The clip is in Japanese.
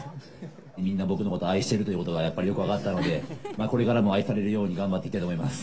みんな、僕のこと愛してるということが、やっぱりよく分かったので、これからも愛されるように頑張っていきたいと思います。